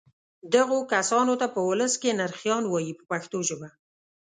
دغو کسانو ته په ولس کې نرخیان وایي په پښتو ژبه.